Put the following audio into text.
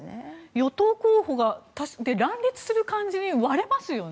与党候補が乱立する感じに割れますよね。